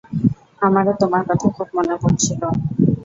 আমারও তোমার কথা খুব মনে পড়ছিল।